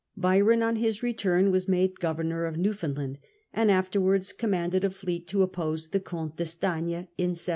Byron on his return was made (lovernor of New foundland, and afterwards commanded a fleet to oppose the Comte d'Estaign in 1777.